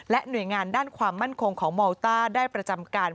หน่วยงานด้านความมั่นคงของมอลต้าได้ประจำการ